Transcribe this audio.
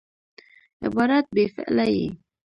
عبارت بې فعله يي.